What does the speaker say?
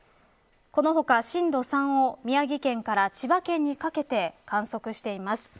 この他、震度３を宮城県から千葉県にかけて観測しています。